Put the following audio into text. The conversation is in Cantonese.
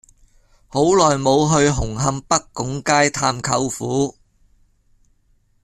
好耐無去紅磡北拱街探舅父